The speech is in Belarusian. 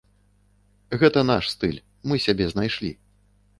Гэта наш стыль, мы сябе знайшлі.